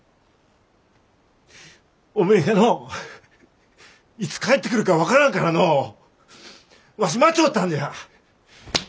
おめえがのういつ帰ってくるか分からんからのうわし待ちょったんじゃ。